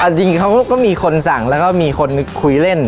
จริงเขาก็มีคนสั่งแล้วก็มีคนคุยเล่น